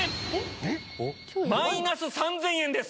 えっ⁉マイナス３０００円です。